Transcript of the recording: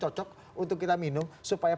cocok untuk kita minum supaya